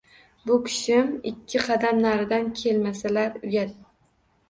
Bu kishim ikki qadam naridan kelmasalar uyat